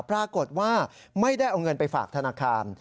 ปรากฏว่าไม่ได้เอาเงินไปฝากธนาคาร